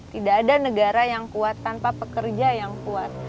tidak ada negara yang kuat tanpa pekerja yang kuat